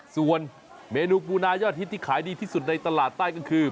ส่วนเมนูปูนายอดฮิตที่ขายดีที่สุดในตลาดใต้ก็คือ